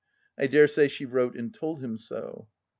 I dare say she wrote and told him so